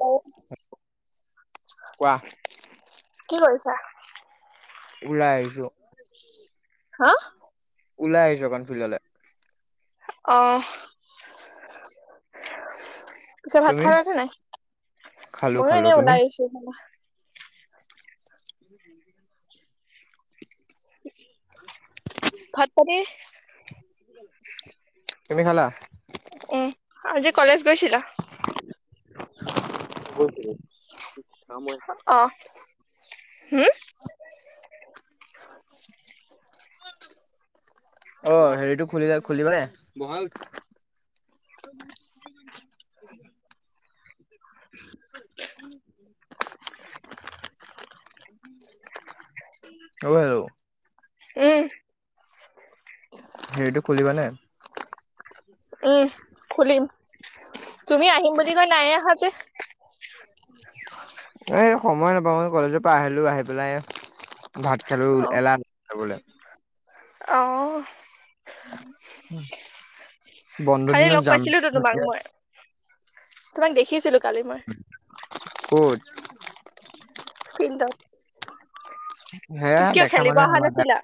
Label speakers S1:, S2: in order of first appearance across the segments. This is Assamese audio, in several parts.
S1: অ
S2: কোৱা?
S1: কি কৰিছা?
S2: ওলাই আহিছো।
S1: হা?
S2: ওলাই আহিছো অকন ফিল্ডলে।
S1: অ' পিছে ভাত
S2: তুমি
S1: খালা নে নাই
S2: খালো
S1: ময়ো
S2: খালো
S1: এনেই
S2: তুমি
S1: ওলাই আহিছো। ভাত-পানী?
S2: তুমি খালা?
S1: এ, আজি কলেজ গৈছিলা?
S2: উম।
S1: অ'। হুম?
S2: অ' হেৰিটো খুলিলে খুলি দিব নে? অও' হেল্ল'!
S1: উম
S2: হেৰিটো খুলিবানে?
S1: উম খুলিম, তুমি আহিম বুলি কয় নাইয়ে অহা যে।
S2: এ সময় নাপাওঁ এই কলেজৰ পৰা আহিলো, আহি পেলাই ভাত
S1: অ'
S2: খালো। [unintelligible]
S1: অ'
S2: [inaudible]
S1: খালি
S2: দিনত
S1: লগ
S2: যাম
S1: পাইছিলোঁটো তোমাক মই। তোমাক দেখিছিলো। কালি মই।
S2: ক'ত
S1: ফিল্ড'ত।
S2: সেয়া
S1: তুমি কিয়
S2: দেখা
S1: খেলিব
S2: মানুহে
S1: অহা
S2: নামাতে,
S1: নাছিলা?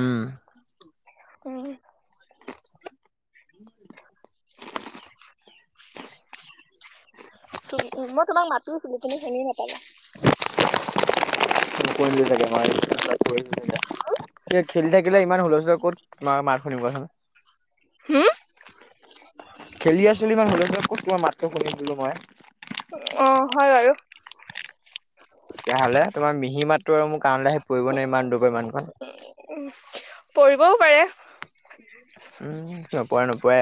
S2: উম।
S1: উম।
S2: [unintelligible]
S1: তুম মই তোমাক মাতো তুমি কিন্তু শুনি নেপালা।
S2: [unintelligible] খেলি থাকিলে ইমান হুলস্থুল ক'ত তোমাৰ মাত শুনিম কোৱাচোন।
S1: হুম
S2: খেলি আছিলো ইমান হুলস্থুলত ক'ত তোমাৰ মাতটো শুনিম বুলো মই।
S1: অ' হয় বাৰু।
S2: তেতিয়া হ'লে তোমাৰ মিহি মাতটো আৰু মোৰ কাণলৈ আহি পৰিব ন ইমান দূৰ পৰা ইমান পা।
S1: পৰিবও পাৰে।
S2: উম, নপৰে নপৰে।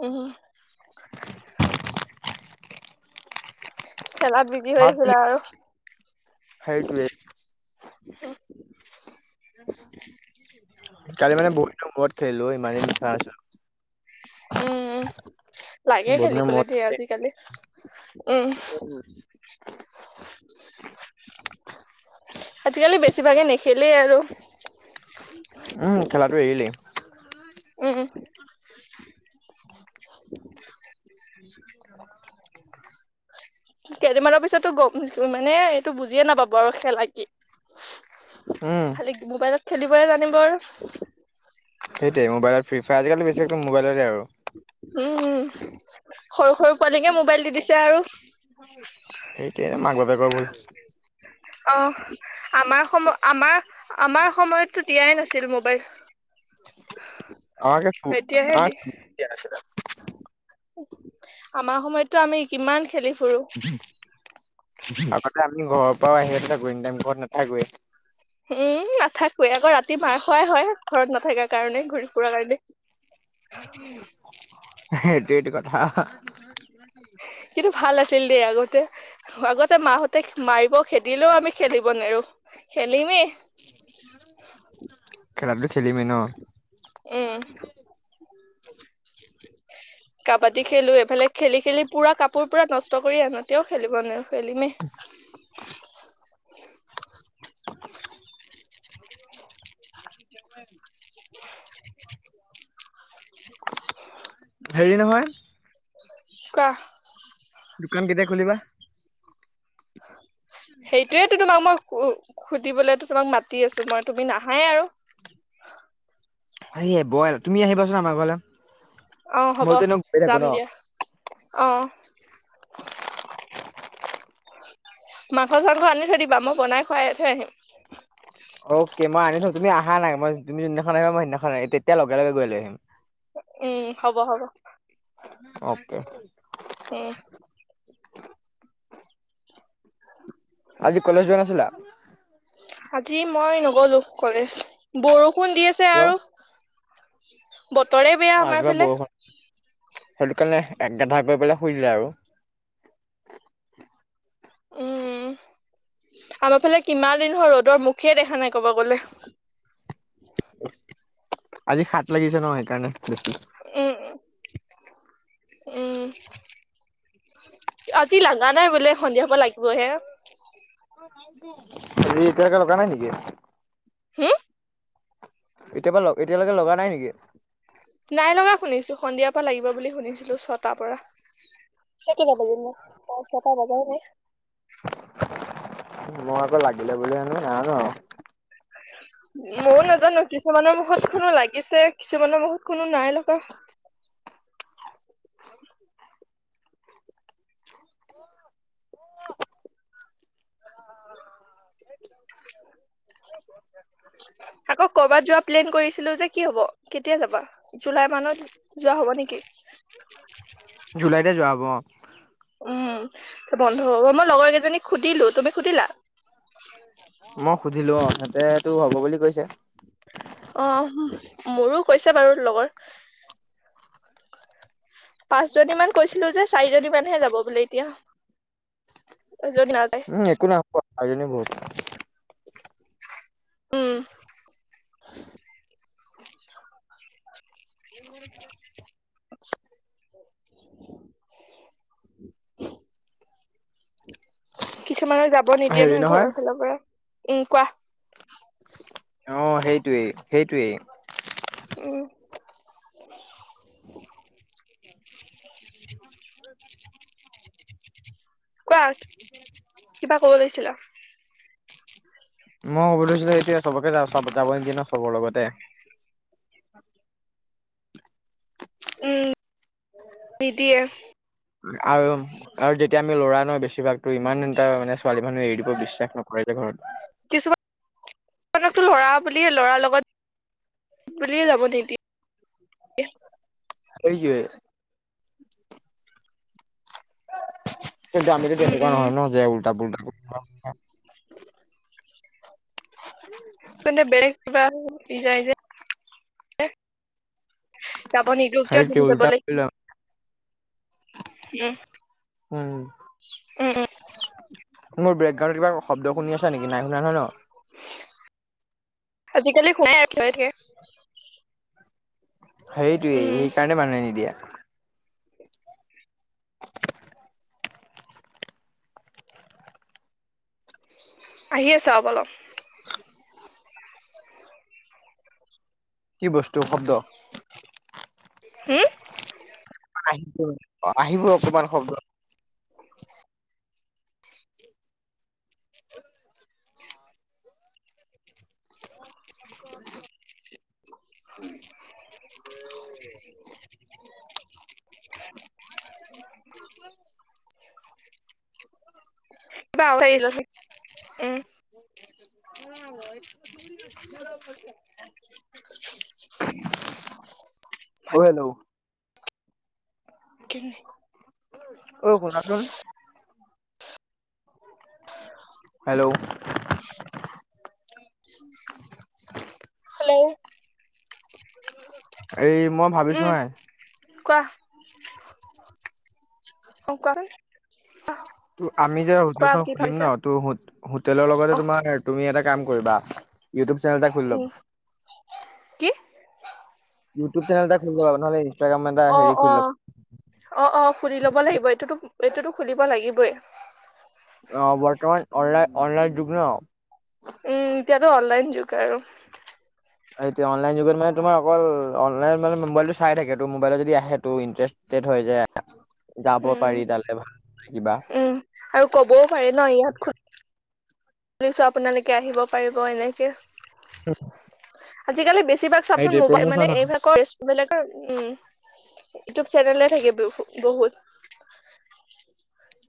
S1: উম। খেলাত বিজি হৈ
S2: মাত
S1: আছিলে
S2: বুলি
S1: আৰু
S2: সেইটোৱে কালি মানে বহুত দিনৰ মূৰত খেলিলো অ ইমানদিনে খেলা
S1: উম
S2: নাছিলো।
S1: লাগে
S2: বহুত দিনৰ
S1: খেলিবলে
S2: মূৰত
S1: দেই আজিকালি উম। আজিকালি বেছিভাগে নেখেলেই আৰু।
S2: উম, খেলাটো এৰিলেই।
S1: উউম
S2: [inaudible]
S1: কেইদিনমানৰ পিছতো গ'ম মানে এইটো বুজিয়ে নাপাব আৰু খেলা কি?
S2: উম,
S1: খালি মোবাইলত খেলিবই জানিব আৰু।
S2: সেইটোৱেই মোবাইলত ফ্ৰী ফায়ৰ, আজিকালি বেছি মোবাইলতে আৰু।
S1: উম, উম। সৰু সৰু পোৱালিকে মোবাইল দি দিছে আৰু।
S2: সেইটোৱেই মাক বাপেকৰ ভুল।
S1: অ' আমাৰ সম আমাৰ, আমাৰ সময়ততো দিয়াই নাছিল মোবাইল।
S2: আমাক
S1: এতিয়াহে দি
S2: [unintelligible]
S1: আমাৰ সময়ত টো‌ আমি কিমান খেলিছিলো।
S2: আগতে আমি ঘৰ। পাব ছেস্টা কৰিম, ঘৰত নাথাকুৱে।
S1: এই নাথাকোৱে আকৌ, ৰাতি মাৰ খোৱাই হয়, ঘৰত নাথাকো। কাৰণে ঘূৰি ফুুৰাৰ কাৰণে।
S2: ন [inaudible] সেইটো টো কথা।
S1: কিন্ত ভাল আছিল দেই আগতে, আগত। মাহঁতে মাৰিব খেদিলেও আমি খেলিব নেৰো খেলিমেই
S2: খেলাটো খেলিমেই ন
S1: উম
S2: [unintelligible]
S1: [unintelligible] কাবাডী খেলো এইফালে খেলি খেলি পুৰা কাপোৰ পুৰা নষ্ট কৰি আনো তেওঁ খেলিব নেৰো খেলি মেই
S2: [inaudible] [inaudible]
S1: [unintelligible]
S2: হেৰি নহয়
S1: কোৱা
S2: দোকান কেতিয়া খোলিবা
S1: সেইটোয়েতো তোমাক মই উ সুধিবলেতো তোমাক মাতি আছো মই তুমি নাহায়ে আৰু
S2: সেয়ে বইল তুমি আহিবাচোন আমাৰ ঘৰলে
S1: অঁ হ'ব
S2: মইতো এনেও গৈ থাকো
S1: যাম
S2: ন'
S1: দিয়া অহ। মাংস চাংস আনি থৈ দিবা মই বনাই খুৱাই থৈ আহিম।
S2: অকে মই আনি থম, তুমি আহা নাই মই তুমি যিদিনাখন আহিবা মই সেইদিনাখন আনি তেতিয়া লগে লগে গৈ লৈ আহিম।
S1: উম হ'ব হ'ব।
S2: অকে।
S1: অ।
S2: আজি কলেজ যোৱা নাছিলা?
S1: আজি মই নগলো কলেজ। বৰষ ষুণ দি আছে
S2: কিয়?
S1: আৰু। [inaudible] বতৰে বেয়া আমাৰ
S2: আগবেলা
S1: ফালে।
S2: বৰষুণ সেইটো কাৰণে এক [unintelligible] শুই দিলে আৰু।
S1: উম, আমাৰ ফালে কিমান দিন হ'ল ৰ'দৰ মুখে দেখা নাই ক'ব গ'লে।
S2: আজি সাত লাগিছে ন সেইকাৰণে বেছি।
S1: উম, উম
S2: [inaudible]
S1: আজি লাগা নাই বোলে সন্ধিয়া পাই লাগিবহে।
S2: আজি এতিয়ালৈকে [unintelligible]
S1: হম?
S2: এতিয় পৰা এতিয়ালৈকে লগা নাই নেকি।
S1: নাই লগা শুনিছো সন্ধিয়াৰ পৰা লাগিব বুলি শুনিছিলো ছটাৰ পৰা কেইটা বাজিলে ন, ছটা বজাই নাই।
S2: মই আকৌ লাগিলে বুলি হেনো [unintelligible]
S1: মইও নাজানো কিছুমানৰ মুখত শুনো লাগিছে, কিছুমানৰ মুখত শুনো নাই লগা। আকৌ কৰ'বাত যোৱা প্লেন কৰিছিলো যে কি হ'ব, কেতিয়া যাবা, জুলাই মানত যোৱা হ'ব নেকি,
S2: জুলাইতে যোৱা হ'ব অ',
S1: উম, বন্ধ হ'ব মই লগৰ কেইজনীক সুধিলো তুমি সুধিলা।
S2: মই সুধিলো অ, সিহঁতেটো হ হ'ব বুলি কৈছে।
S1: অ মোৰো কৈছে বাৰু লগৰ। পাঁচ জনী মান কৈছিলোঁ যে চাৰি জনী মানহে যাব বোলে এতিয়া। যদি নাযায়
S2: উম, একো নহয় কোৱা [unintelligible]
S1: উম।
S2: [inaudible]
S1: কিছুমানৰ যা ব নিদিয়ে নহয় ঘৰৰ ফালৰ পৰা। উম, কোৱা।
S2: অ' সেইটোৱেই সেইটোৱেই।
S1: উম। কোৱা কিবা ক'ব লৈছিলা।
S2: মই ক'ব লৈছিলো এতিয়া চবকে যাও চাব যাব নিদিয়ে ন চবৰে লগতে। [inaudible]
S1: উম, নিদিয়ে।
S2: আৰু আৰু যেতিয়া আমি ল'ৰা ন বেছিভাগতো ইমান এটা মানে ছোৱালী মানুহে এৰি দিব বিশ্বাস নকৰে যে ঘৰত।
S1: কিছুমানকটো ল'ৰা বুলি ল'ৰাৰ লগত বুলিয়ে যাব নিদিয়ে।
S2: [unintelligible] কিন্তু আমি
S1: উম
S2: তেনেকুৱা
S1: উম
S2: নহয় ন যে উল্টা পুল্টাবোৰ [inaudible] [inaudible]
S1: কিন্তু বেলেগ কিবা [unintelligible] যায় যে। যাব নিদিও কিয়
S2: সেইটো উল্টা কৰিলে
S1: উম,
S2: উম,
S1: উম-উম।
S2: মোৰ বেকগ্ৰউণ্ত কিব শব্দ শুনি আছা নেকি নাই সুনা নহয় ন।
S1: আজিকালি সদায়ে আহি থাকে।
S2: সেইটোয়েই
S1: উম
S2: সেইকাৰণে মানুহে নিদিয়ে।
S1: আহি আছে ৰব অলপ।
S2: কি বস্তুৰ শব্দ?
S1: হম,
S2: আহিব-আহিব অকমান শব্দ
S1: [unintelligible]
S2: [unintelligible]
S1: [inaudible]
S2: [unintelligible]
S1: বা আহৰিল উম, [unintelligible]
S2: ও হেল্লো, [unintelligible] ও শুনা সুন? হেল্ল'!
S1: হেল্ল'!
S2: এই মই ভাবিছোঁ
S1: উম
S2: হা
S1: কোৱা, অ', কোৱাচোন [inaudible]
S2: তোৰ আমি যে,
S1: কোৱা
S2: হোটেলখন
S1: কি
S2: খুলিম
S1: ভাবিছা
S2: ন! ত' হো-হোটেলৰ লগতে
S1: অ
S2: তোমাৰ-তুমি এটা কাম কৰিবা। ইউটিউব চেনেল এটা খুলি
S1: উম
S2: ল'বা।
S1: কি
S2: ইউটিউব চেনেল এটা খুলি ল'বা নহ'লে ইনষ্টাগ্ৰাম এটা হেৰি
S1: অ',
S2: খুলি ল'বা
S1: অ', অ', অ', খুলি ল'ব লাগিব এইটোতো এইটোতো খুলিব লাগিবই।
S2: অ বৰ্তমান অনলাইন অনলাইন যুগ ন?
S1: উম, এতিয়াতো অনলাইন যুগ আৰু।
S2: এতিয়া অনলাইন যুগত মানে তোমাৰ অকল অনলাইন মানে মোবাইলটো চাই থাকে, ত' মোবাইলত যদি আহে ত' ইন্টাৰষ্টেড হয়, যে
S1: উম, উম, আৰু ক'বও পাৰে ন' [unintelligible] ছো, আপোনালোকে আহিব পাৰিব এনেকে।
S2: উম।
S1: আজিকালি বেছিভাগ চাবচোন মোবাই মানে এইভাগাকৰ [unintelligible] বেলেগৰ উম ইউটিউব চেনেলে থাকে বহুত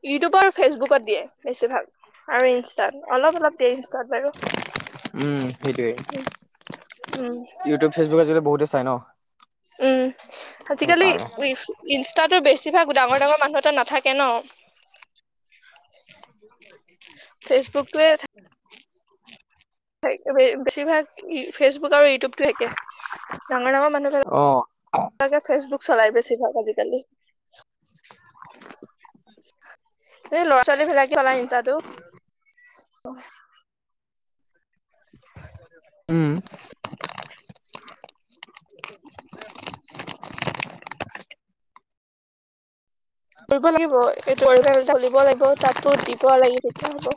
S1: ইউটিউব আৰু ফেচবুকত দিয়ে বেছি ভাল আৰু ইনষ্টাত অলপ অলপ দিয়ে ইনচ
S2: উম সেইটোৱে
S1: উম
S2: ইউটিউব ফেচবুক আজি কালি বহুতে, চাই ন
S1: উ, আজিকালি
S2: সেইকাৰণে
S1: উই ইনচ তাতো বেছিভাগ ডাঙৰ ডাঙৰ মানুহ এটা নাথাকে ন? ফেচবুকটোৱে বে-বে-বেছিভাগ ই ফেচবুক আৰু ইউটিউব। টো একে। ডাঙ ডাঙক
S2: অ
S1: মানুহক লাগে ফেচবুক চলাই বেছিভাগ আজিকালি। এ, ল'ৰা-ছোৱালী ভিলাকে চলাই ইনষ্টাটো।
S2: উ।
S1: কৰিব লাগিব। এই [unintelligible] লাগিব তাতো দিব লাগে তেতিয়া হ'ব।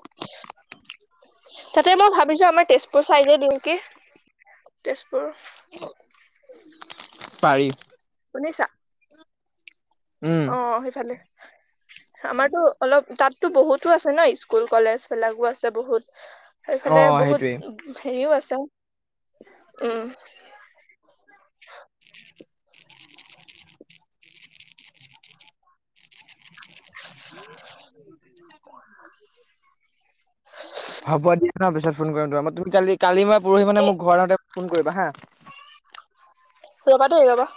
S1: তাতে মই ভাবিছো আমাৰ তেজপুৰ চাইডে দিওঁ কি। তেজপুৰ।
S2: পাৰি।
S1: শুনিছা?
S2: উম
S1: অ', সেইফালে। আমাৰতো অলপ তাততো বহুতো আছে ন স্কুল কলেজ বিলাকো আছে বহুত।
S2: অ
S1: সেইফালে
S2: সেইটোৱে
S1: বহুত হেৰিও আছে। [unintelligible] উ। [inaudible]
S2: হ'ব দিয়া ন পিছত ফোন কৰিম মই তুমি কালি কালি মই পৰহি মানে মোৰ ঘৰ আহোতে ফোন কৰিবা হাঁ।
S1: ৰবা দেই ৰবা।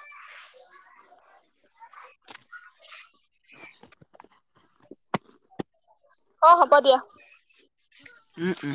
S1: অ', হ'ব দিয়া।
S2: উ, উ।